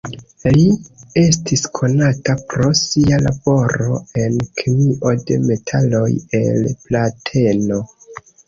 Li estis konata pro sia laboro en kemio de metaloj el plateno.